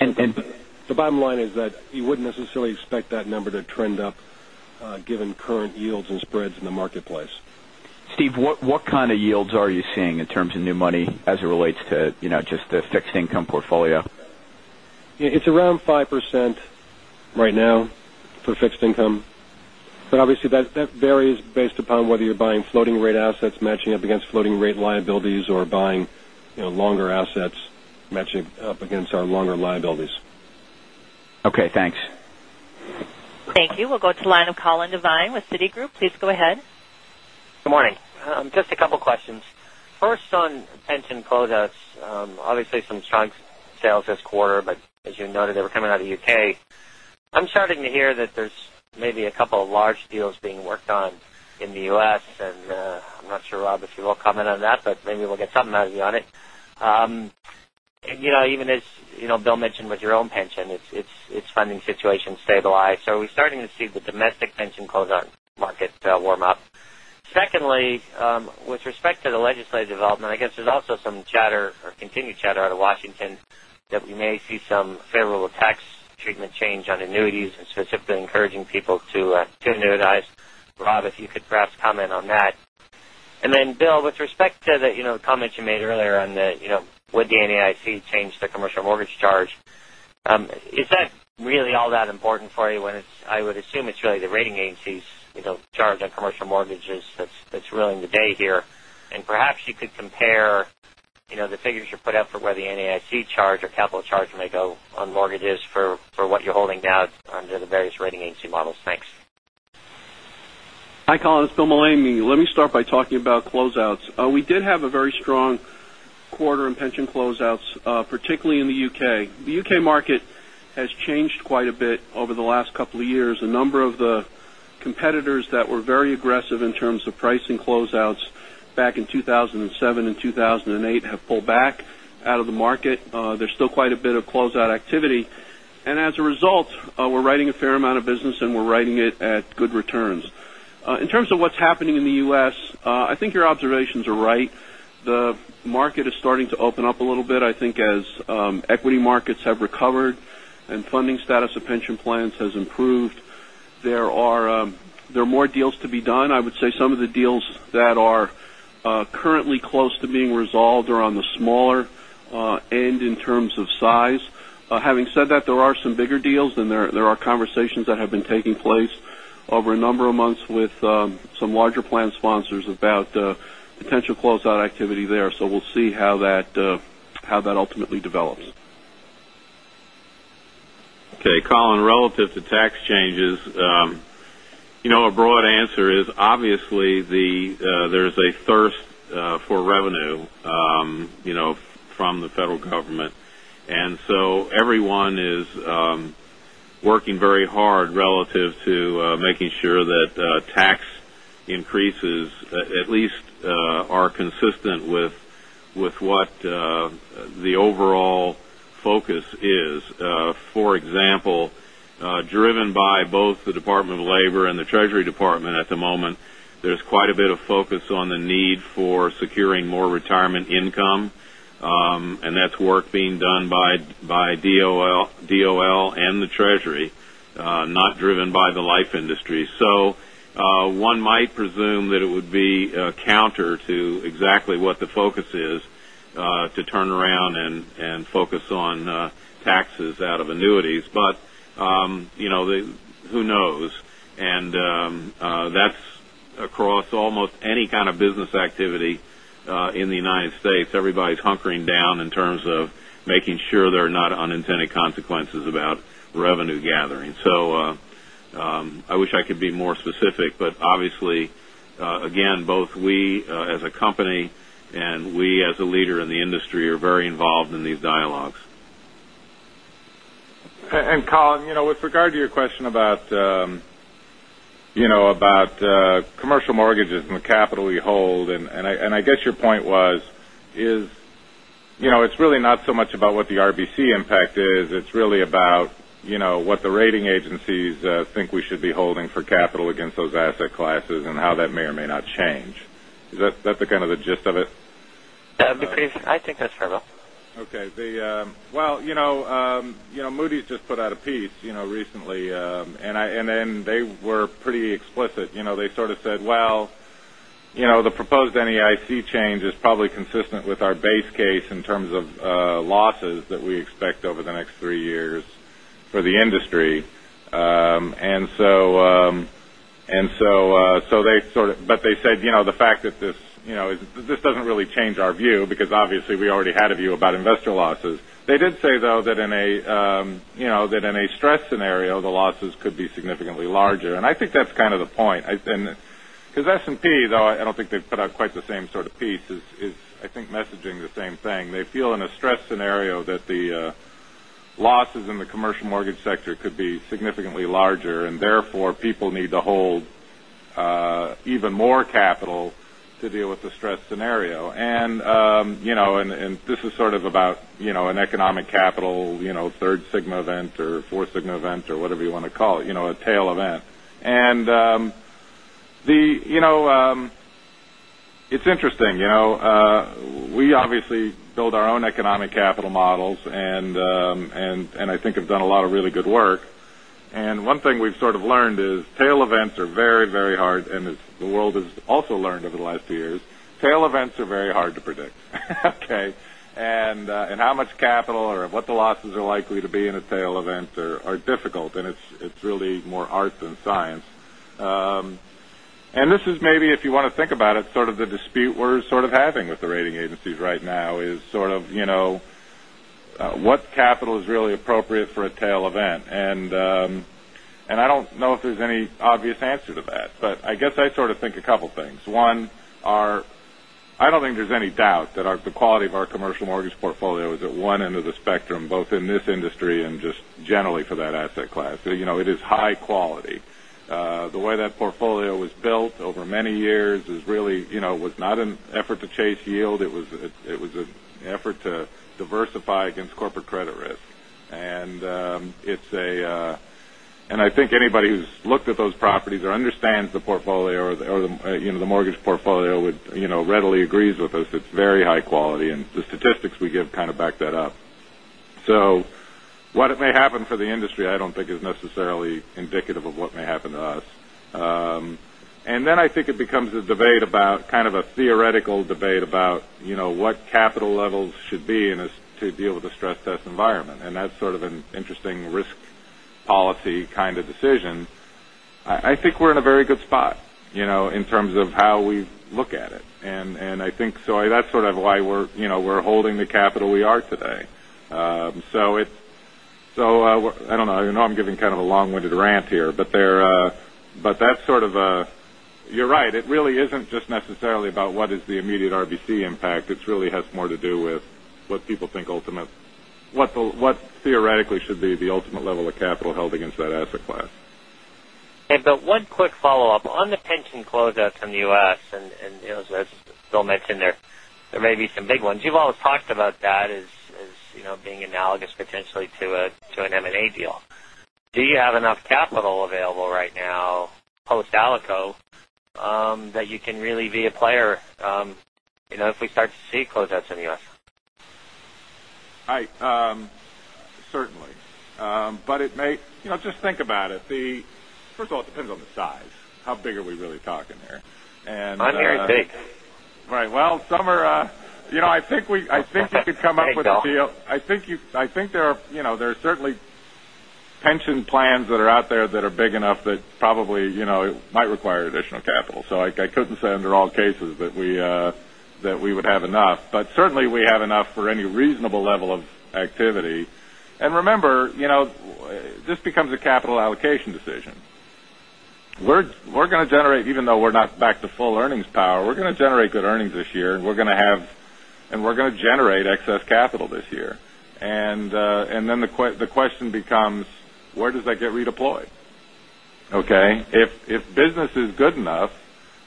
And- The bottom line is that you wouldn't necessarily expect that number to trend up given current yields and spreads in the marketplace. Steve, what kind of yields are you seeing in terms of new money as it relates to just the fixed income portfolio? It's around 5% right now for fixed income. Obviously, that varies based upon whether you're buying floating rate assets matching up against floating rate liabilities or buying longer assets matching up against our longer liabilities. Okay, thanks. Thank you. We'll go to the line of Colin Devine with Citigroup. Please go ahead. Good morning. Just a couple questions. First on pension closeouts. Obviously some strong sales this quarter. As you noted, they were coming out of the U.K. I'm starting to hear that there's maybe a couple of large deals being worked on in the U.S. I'm not sure, Rob, if you will comment on that. Maybe we'll get something out of you on it. Even as Bill mentioned with your own pension, its funding situation stabilized. Are we starting to see the domestic pension closeout market warm up? Secondly, with respect to the legislative development, I guess there's also some chatter or continued chatter out of Washington that we may see some favorable tax treatment change on annuities and specifically encouraging people to annuitize. Rob, if you could perhaps comment on that. Bill, with respect to the comments you made earlier on would the NAIC change the commercial mortgage charge, is that really all that important for you when I would assume it's really the rating agencies' charge on commercial mortgages that's ruling the day here. Perhaps you could compare the figures you put out for where the NAIC charge or capital charge may go on mortgages for what you're holding now under the various rating agency models. Thanks. Hi, Colin, it's Bill Mullaney here. Let me start by talking about closeouts. We did have a very strong quarter in pension closeouts, particularly in the U.K. The U.K. market has changed quite a bit over the last couple of years. A number of the competitors that were very aggressive in terms of pricing closeouts back in 2007 and 2008 have pulled back out of the market. There's still quite a bit of closeout activity. As a result, we're writing a fair amount of business, and we're writing it at good returns. In terms of what's happening in the U.S., I think your observations are right. The market is starting to open up a little bit. I think as equity markets have recovered and funding status of pension plans has improved, there are more deals to be done. I would say some of the deals that are currently close to being resolved are on the smaller end in terms of size. Having said that, there are some bigger deals, and there are conversations that have been taking place. Over a number of months with some larger plan sponsors about potential pension closeout activity there. We'll see how that ultimately develops. Okay, Colin, relative to tax changes, a broad answer is obviously, there's a thirst for revenue from the federal government. Everyone is working very hard relative to making sure that tax increases at least are consistent with what the overall focus is. For example, driven by both the Department of Labor and the Treasury Department at the moment, there's quite a bit of focus on the need for securing more retirement income. That's work being done by DOL and the Treasury, not driven by the life industry. One might presume that it would be counter to exactly what the focus is to turn around and focus on taxes out of annuities. Who knows? That's across almost any kind of business activity in the United States. Everybody's hunkering down in terms of making sure there are not unintended consequences about revenue gathering. I wish I could be more specific, but obviously, again, both we as a company and we as a leader in the industry are very involved in these dialogues. Colin, with regard to your question about commercial mortgages and the capital we hold, and I guess your point was, it's really not so much about what the RBC impact is, it's really about what the rating agencies think we should be holding for capital against those asset classes and how that may or may not change. Is that the kind of the gist of it? Yeah, I think that's fair, Bill. Okay. Moody's just put out a piece recently. They were pretty explicit. They sort of said, "Well, the proposed NAIC change is probably consistent with our base case in terms of losses that we expect over the next three years for the industry." They said, "This doesn't really change our view, because obviously we already had a view about investor losses." They did say, though, that in a stress scenario, the losses could be significantly larger. I think that's kind of the point. S&P, though I don't think they've put out quite the same sort of piece, is, I think, messaging the same thing. They feel in a stress scenario that the losses in the commercial mortgage sector could be significantly larger, and therefore people need to hold even more capital to deal with the stress scenario. This is sort of about an economic capital third sigma event or fourth sigma event or whatever you want to call it, a tail event. It's interesting. We obviously build our own economic capital models, and I think have done a lot of really good work. One thing we've sort of learned is tail events are very hard, and the world has also learned over the last few years, tail events are very hard to predict. Okay. How much capital or what the losses are likely to be in a tail event are difficult, and it's really more art than science. This is maybe, if you want to think about it, sort of the dispute we're sort of having with the rating agencies right now is sort of what capital is really appropriate for a tail event. I don't know if there's any obvious answer to that. I guess I sort of think a couple things. One, I don't think there's any doubt that the quality of our commercial mortgage portfolio is at one end of the spectrum, both in this industry and just generally for that asset class. It is high quality. The way that portfolio was built over many years was not an effort to chase yield. It was an effort to diversify against corporate credit risk. I think anybody who's looked at those properties or understands the mortgage portfolio readily agrees with us. It's very high quality, and the statistics we give kind of back that up. What may happen for the industry I don't think is necessarily indicative of what may happen to us. I think it becomes a debate about kind of a theoretical debate about what capital levels should be to deal with the stress test environment. That's sort of an interesting risk policy kind of decision. I think we're in a very good spot in terms of how we look at it. I think that's sort of why we're holding the capital we are today. I don't know. I know I'm giving kind of a long-winded rant here. You're right. It really isn't just necessarily about what is the immediate RBC impact. It really has more to do with what theoretically should be the ultimate level of capital held against that asset class. Okay. One quick follow-up. On the pension closeout from the U.S., and as Bill mentioned there may be some big ones. You've always talked about that as being analogous potentially to an M&A deal. Do you have enough capital available right now post-Alico that you can really be a player if we start to see closeouts in the U.S.? Certainly. Just think about it. First of all, it depends on the size. How big are we really talking here? I'm hearing big Well, some are. I think we could come up with a deal. I think there are certainly pension plans that are out there that are big enough that probably might require additional capital. I couldn't say under all cases that we would have enough. Certainly, we have enough for any reasonable level of activity. Remember, this becomes a capital allocation decision. Even though we're not back to full earnings power, we're going to generate good earnings this year, and we're going to generate excess capital this year. Then the question becomes, where does that get redeployed? Okay? If business is good enough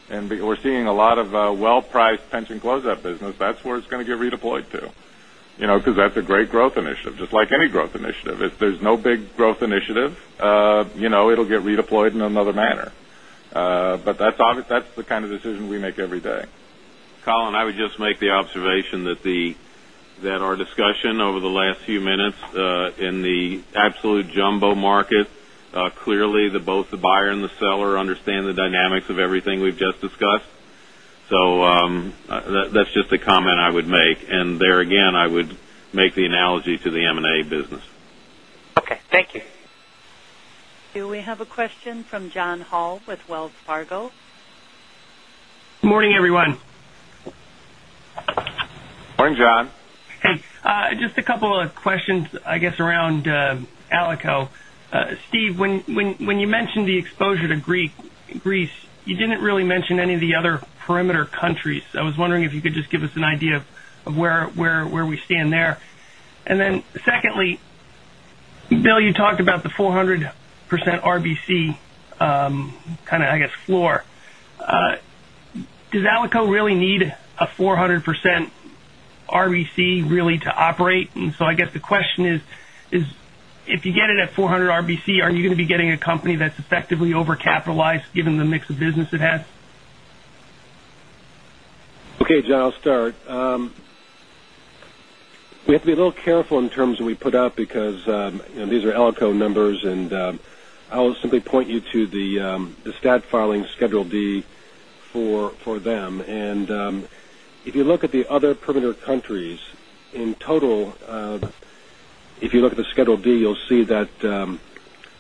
and we're seeing a lot of well-priced pension close-out business, that's where it's going to get redeployed to. Because that's a great growth initiative, just like any growth initiative. If there's no big growth initiative, it'll get redeployed in another manner. That's the kind of decision we make every day. Colin, I would just make the observation that our discussion over the last few minutes in the absolute jumbo market, clearly, both the buyer and the seller understand the dynamics of everything we've just discussed. That's just a comment I would make. There again, I would make the analogy to the M&A business. Okay. Thank you. Do we have a question from John Hall with Wells Fargo? Morning, everyone. Morning, John. Hey. Just a couple of questions, I guess, around Alico. Steve, when you mentioned the exposure to Greece, you didn't really mention any of the other perimeter countries. I was wondering if you could just give us an idea of where we stand there. Secondly, Bill, you talked about the 400% RBC, I guess, floor. Does Alico really need a 400% RBC really to operate? I guess the question is, if you get it at 400 RBC, aren't you going to be getting a company that's effectively overcapitalized given the mix of business it has? Okay, John, I'll start. We have to be a little careful in terms that we put out because these are Alico numbers, and I'll simply point you to the stat filing Schedule B for them. If you look at the other perimeter countries in total, if you look at the Schedule B, you'll see that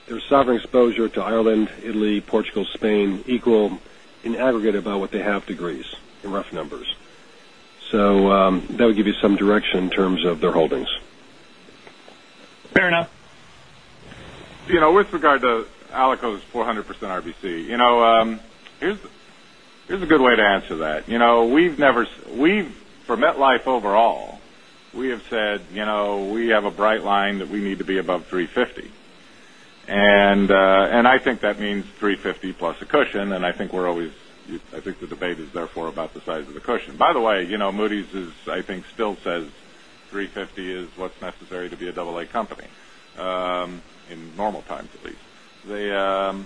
their sovereign exposure to Ireland, Italy, Portugal, Spain equal in aggregate about what they have to Greece, in rough numbers. That would give you some direction in terms of their holdings. Fair enough. With regard to Alico's 400% RBC, here's a good way to answer that. For MetLife overall, we have said we have a bright line that we need to be above 350. I think that means 350 plus a cushion, and I think the debate is therefore about the size of the cushion. By the way, Moody's I think still says 350 is what's necessary to be a Aa company, in normal times at least.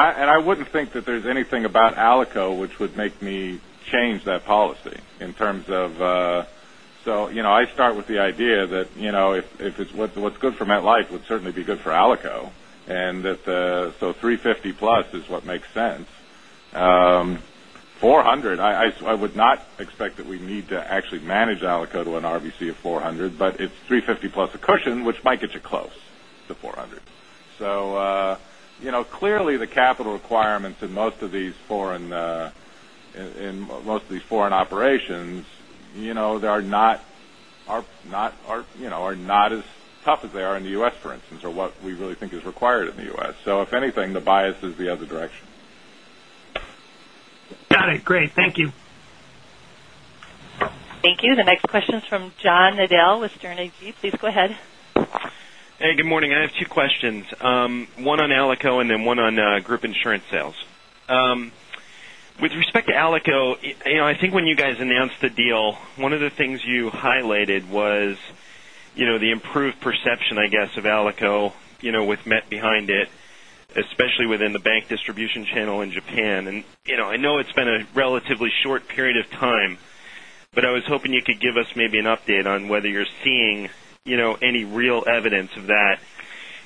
I wouldn't think that there's anything about Alico which would make me change that policy. I start with the idea that what's good for MetLife would certainly be good for Alico. 350 plus is what makes sense. 400, I would not expect that we need to actually manage Alico to an RBC of 400, but it's 350 plus a cushion, which might get you close to 400. Clearly, the capital requirements in most of these foreign operations are not as tough as they are in the U.S., for instance, or what we really think is required in the U.S. If anything, the bias is the other direction. Got it. Great. Thank you. Thank you. The next question is from John Nadel with Sterne Agee. Please go ahead. Hey, good morning. I have two questions. One on Alico and then one on group insurance sales. With respect to Alico, I think when you guys announced the deal, one of the things you highlighted was the improved perception, I guess, of Alico with Met behind it, especially within the bank distribution channel in Japan. I know it's been a relatively short period of time, but I was hoping you could give us maybe an update on whether you're seeing any real evidence of that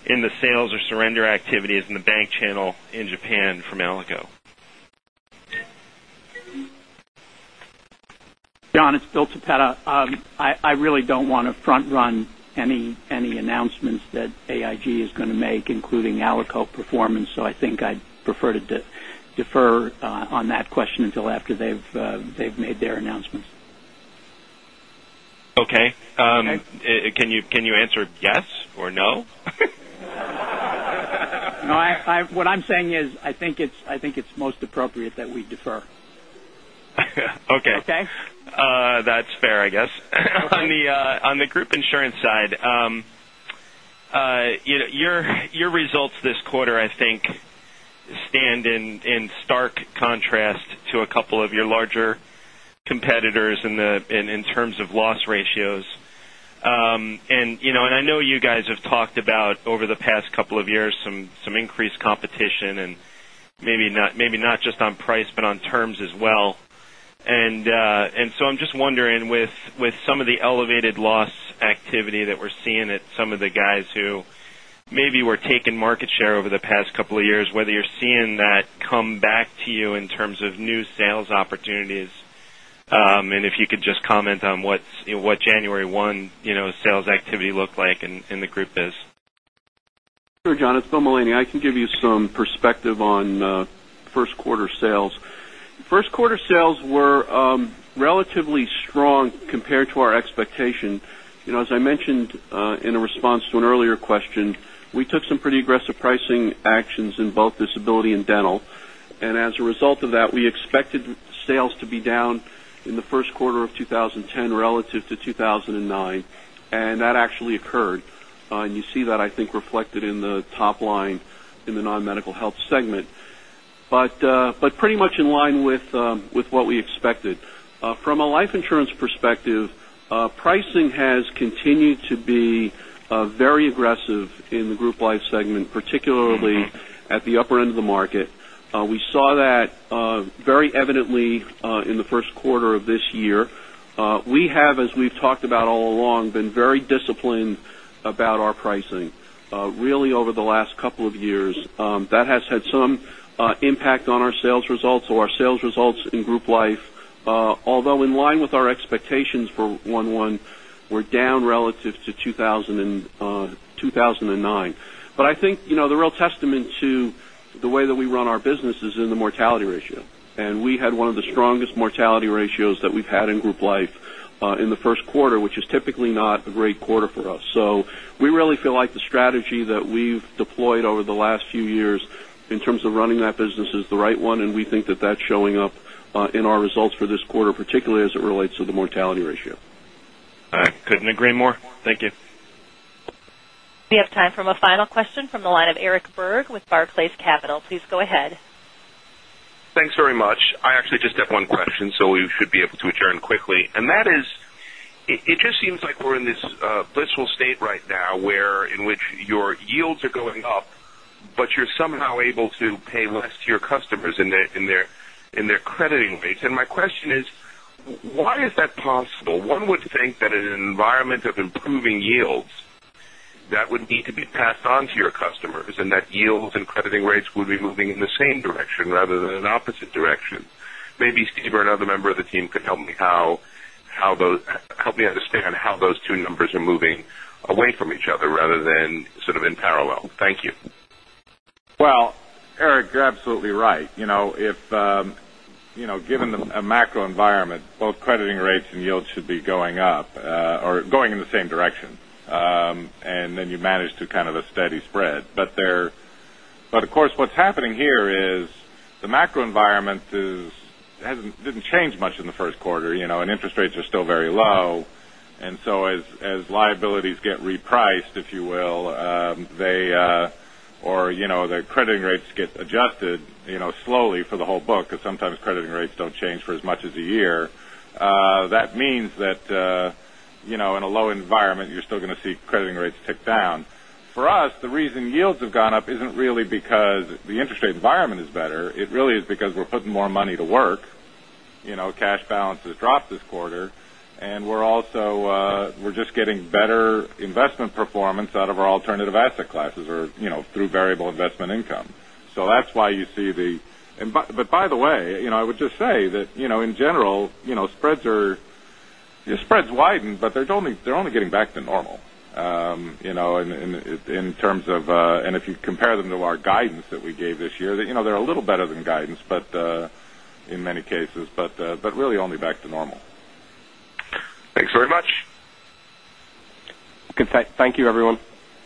in the sales or surrender activities in the bank channel in Japan for Alico. John, it's Bill Toppeta. I really don't want to front-run any announcements that AIG is going to make, including Alico performance. I think I'd prefer to defer on that question until after they've made their announcements. Okay. Okay. Can you answer yes or no? What I'm saying is, I think it's most appropriate that we defer. Okay. Okay? That's fair, I guess. Okay. On the group insurance side, your results this quarter, I think, stand in stark contrast to a couple of your larger competitors in terms of loss ratios. I know you guys have talked about over the past couple of years some increased competition, and maybe not just on price, but on terms as well. I'm just wondering, with some of the elevated loss activity that we're seeing at some of the guys who maybe were taking market share over the past couple of years, whether you're seeing that come back to you in terms of new sales opportunities, and if you could just comment on what January 1 sales activity looked like in the group is. Sure, John, it's William Mullaney. I can give you some perspective on first quarter sales. First quarter sales were relatively strong compared to our expectation. As I mentioned in a response to an earlier question, we took some pretty aggressive pricing actions in both disability and dental. As a result of that, we expected sales to be down in the first quarter of 2010 relative to 2009, and that actually occurred. You see that, I think, reflected in the top line in the non-medical health segment. Pretty much in line with what we expected. From a life insurance perspective, pricing has continued to be very aggressive in the group life segment, particularly at the upper end of the market. We saw that very evidently in the first quarter of this year. We have, as we've talked about all along, been very disciplined about our pricing, really over the last couple of years. That has had some impact on our sales results or our sales results in group life. Although in line with our expectations for 1/1, we're down relative to 2009. I think, the real testament to the way that we run our business is in the mortality ratio. We had one of the strongest mortality ratios that we've had in group life, in the first quarter, which is typically not a great quarter for us. We really feel like the strategy that we've deployed over the last few years in terms of running that business is the right one, and we think that that's showing up in our results for this quarter, particularly as it relates to the mortality ratio. I couldn't agree more. Thank you. We have time for a final question from the line of Eric Berg with Barclays Capital. Please go ahead. Thanks very much. I actually just have one question, so we should be able to adjourn quickly. That is, it just seems like we're in this blissful state right now, where in which your yields are going up, but you're somehow able to pay less to your customers in their crediting rates. My question is, why is that possible? One would think that in an environment of improving yields, that would need to be passed on to your customers, and that yields and crediting rates would be moving in the same direction rather than an opposite direction. Maybe Steve or another member of the team could help me understand how those two numbers are moving away from each other rather than sort of in parallel. Thank you. Well, Eric, you're absolutely right. Given the macro environment, both crediting rates and yields should be going up, or going in the same direction. Then you manage to kind of a steady spread. Of course, what's happening here is the macro environment didn't change much in the first quarter, and interest rates are still very low. So as liabilities get repriced, if you will, or their crediting rates get adjusted slowly for the whole book, because sometimes crediting rates don't change for as much as a year. That means that in a low environment, you're still going to see crediting rates tick down. For us, the reason yields have gone up isn't really because the interest rate environment is better. It really is because we're putting more money to work. Cash balances dropped this quarter, and we're just getting better investment performance out of our alternative asset classes or through variable investment income. By the way, I would just say that in general, spreads widened, but they're only getting back to normal. If you compare them to our guidance that we gave this year, they're a little better than guidance in many cases, but really only back to normal. Thanks very much. Good. Thank you, everyone.